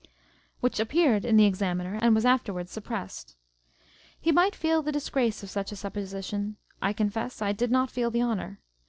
which appeared in the Examiner and was afterwards suppressed. He might feel the disgrace of such a sup position : I confess 1 did not feel the honour.